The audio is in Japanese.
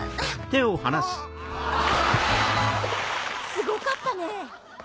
すごかったね。